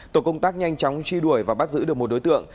tổ công tác nhanh chóng truy đuổi và bắt giữ được một đối tượng